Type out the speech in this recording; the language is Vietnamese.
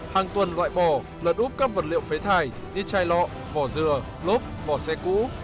hàng tuần loại bỏ lật úp các vật liệu phế thải như chai lọ vỏ dừa lốp vỏ xe cũ